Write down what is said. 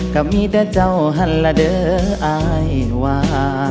ก็มีแต่เจ้าหันละเด้ออายวา